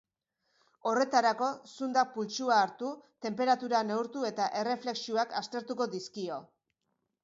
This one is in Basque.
Horretarako, zundak pultsua hartu, tenperatura neurtu eta erreflexuak aztertuko dizkio.